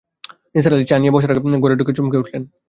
নিসার আলি চা নিয়ে বসার ঘরে ঢুকে চমকে উঠলেন।